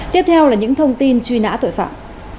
tiếp theo là những thông tin truy nã tội phạm